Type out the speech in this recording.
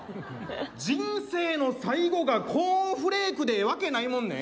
人生の最後がコーンフレークでええわけないもんね。